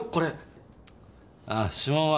あ指紋は？